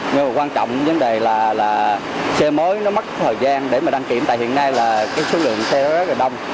nhưng mà quan trọng vấn đề là xe mới nó mất thời gian để mà đăng kiểm tại hiện nay là cái số lượng xe đó rất là đông